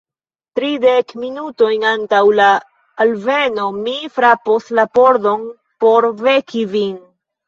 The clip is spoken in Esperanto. Tridek minutojn antaŭ la alveno mi frapos la pordon por veki vin.